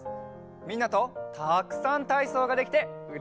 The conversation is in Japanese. みんなとたくさんたいそうができてうれしかったよ！